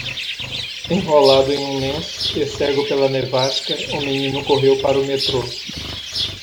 Enrolado em um lenço e cego pela nevasca, o menino correu para o metrô.